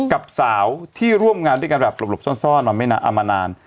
กับสาวที่ร่วมงานด้วยกันแบบหลบซ่อนมานาน